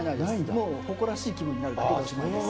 もう誇らしい気分になるだけでおしまいです。